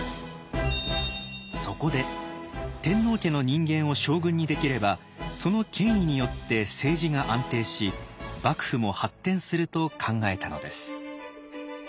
そこで天皇家の人間を将軍にできればその権威によって政治が安定し幕府も発展すると考えたのです。